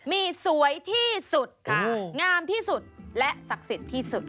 มีสวยที่สุดค่ะงามที่สุดและศักดิ์สิทธิ์ที่สุด